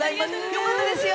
よかったですよ！